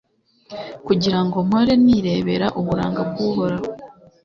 kugira ngo mpore nirebera uburanga bw'uhoraho